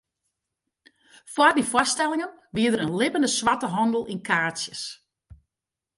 Foar dy foarstellingen wie der in libbene swarte handel yn kaartsjes.